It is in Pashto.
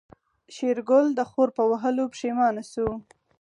شېرګل د خور په وهلو پښېمانه شو.